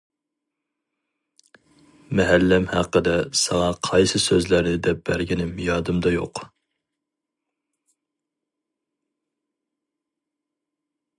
مەھەللەم ھەققىدە ساڭا قايسى سۆزلەرنى دەپ بەرگىنىم يادىمدا يوق.